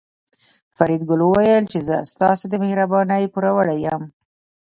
فریدګل وویل چې زه ستاسو د مهربانۍ پوروړی یم